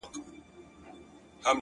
خبرې کاندي.